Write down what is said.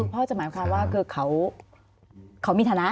พ่อหมายความว่าเขามีธนะ